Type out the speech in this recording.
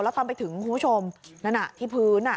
แล้วตอนไปถึงคุณผู้ชมนั่นน่ะที่พื้น